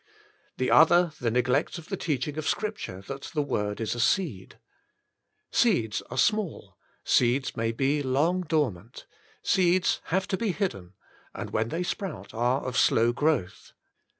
The other the neglect of the teaching of Scripture that the word is a seed. Seeds are small, seeds may be long dormant, seeds have to be hidden, and when they sprout are of slow growth.